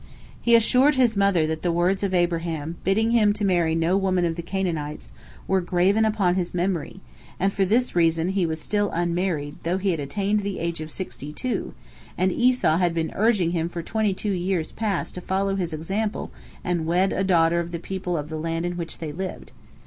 He assured his mother that the words of Abraham, bidding him to marry no woman of the Canaanites, were graven upon his memory, and for this reason he was still unmarried, though he had attained the age of sixty two, and Esau had been urging him for twenty two years past to follow his example and wed a daughter of the people of the land in which they lived.